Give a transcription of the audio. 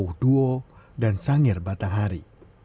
pauh duo dan sangir batanghari